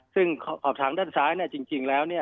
ซึ่งขอบทางด้านซ้ายจริงแล้ว